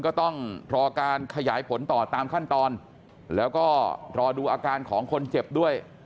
ก็ต้องรอการขยายผลต่อตามขั้นตอนแล้วก็รอดูอาการของคนเจ็บด้วย